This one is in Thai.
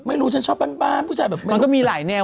ไม่รู้ฉันชอบบ้านมันก็มีหลายแนวหรอ